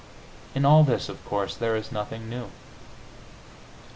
In all this, of course, there is nothing new.